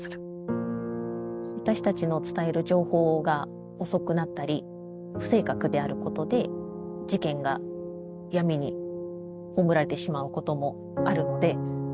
私たちの伝える情報が遅くなったり不正確であることで事件が闇に葬られてしまうこともあるので。